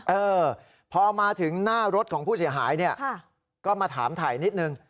เออพอมาถึงหน้ารถของผู้เสียหายเนี่ยก็มาถามถ่ายนิดนึง